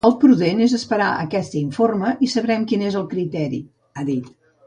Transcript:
El prudent és esperar aquest informe i sabrem quin és el criteri, ha dit.